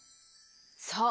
そう。